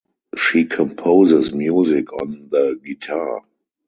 She composes music on the guitar.